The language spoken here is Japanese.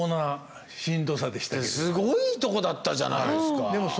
すごいとこだったじゃないですか。